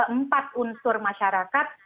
empat unsur masyarakat